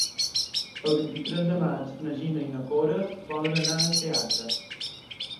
El vint-i-tres de maig na Gina i na Cora volen anar al teatre.